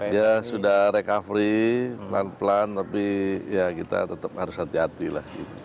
dia sudah recovery pelan pelan tapi ya kita tetap harus hati hati lah